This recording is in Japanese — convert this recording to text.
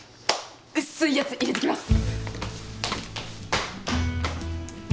薄いヤツ入れてきます。